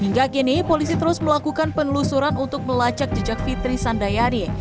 hingga kini polisi terus melakukan penelusuran untuk melacak jejak fitri sandayani